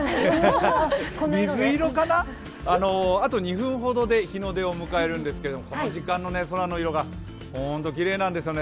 水色かな、あと２分ほどで日の出を迎えますがこの時間の空の色がホントきれいなんですよね。